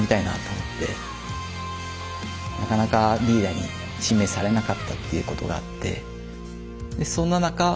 なかなかリーダーに指名されなかったっていうことがあってそんな中「魔改造の夜」がある。